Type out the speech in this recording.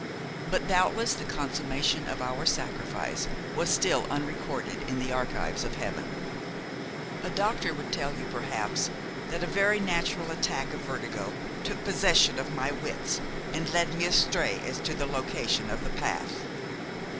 But doubtless the consummation of our sacrifice was still unrecorded in the archives of Heaven. A doctor would tell you perhaps that a very natural attack of vertigo took possession of my wits and led me astray as to the location of the path.